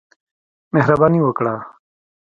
مهرباني وکړه !